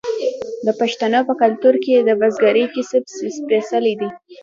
د پښتنو په کلتور کې د بزګرۍ کسب سپیڅلی دی.